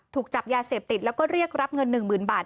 ถูกจับยาเสพติดแล้วก็เรียกรับเงิน๑๐๐๐บาท